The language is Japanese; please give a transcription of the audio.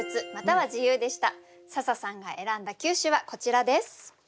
笹さんが選んだ９首はこちらです。